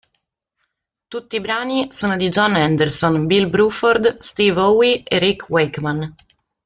Tutti i brani sono di Jon Anderson, Bill Bruford, Steve Howe e Rick Wakeman.